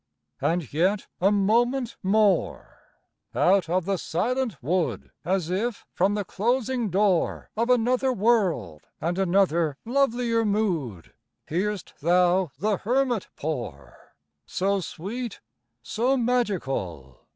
And yet a moment more, Out of the silent wood, As if from the closing door Of another world and another lovelier mood, Hear'st thou the hermit pour So sweet! so magical!